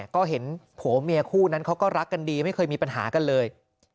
ก็เห็นผัวเมียคู่นั้นเขาก็รักกันดีไม่เคยมีปัญหากันเลย